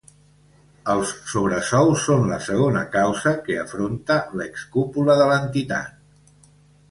Els sobresous són la segona causa que afronta l’ex-cúpula de l’entitat.